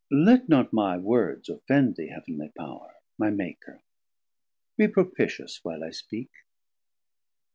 Let not my words offend thee, Heav'nly Power, My Maker, be propitious while I speak.